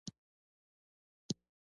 ازادي راډیو د د اوبو منابع اړوند مرکې کړي.